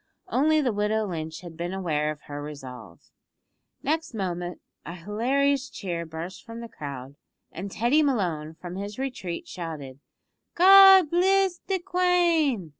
Only the widow Lynch had been aware of her resolve. Next moment a hilarious cheer burst from the crowd, and Teddy Malone, from his retreat, shouted, "God bliss the Quane!"